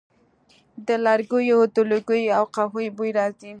د لرګیو د لوګي او قهوې بوی راځي